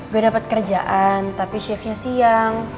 gue dapet kerjaan tapi shiftnya siang